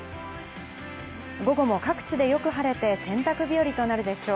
午後も各地でよく晴れて洗濯日和となるでしょう。